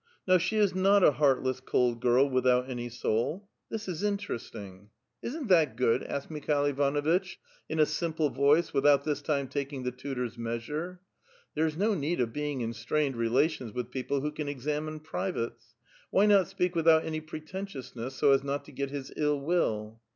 " No, she is not a heartless, cold girl without any soul; this is interesting." A VITAL QUESTION. 65 *' Isn't that good?" asked Mikhail Ivanuitch, in a simple voice, without this time taking the tutor's measure. ('' There is no need of being in strained relations with people who can examine privates. Why not speak without any preten tiousness so as not to get his ill will?")